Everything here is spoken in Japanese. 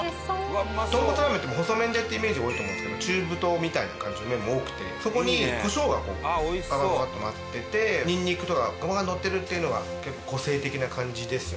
豚骨ラーメンって細麺でイメージ多いと思うんですけど中太みたいな感じの麺も多くてそこにこしょうがバババっと舞っててニンニクとかごまがのってるっていうのが結構個性的な感じです。